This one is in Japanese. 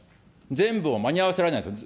全部を間に合わせられないですよ。